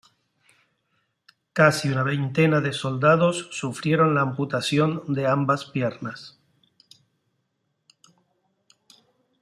Casi una veintena de soldados sufrieron la amputación de ambas piernas.